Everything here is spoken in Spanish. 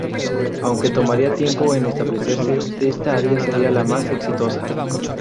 Aunque tomaría tiempo en establecerse, esta área sería la más exitosa.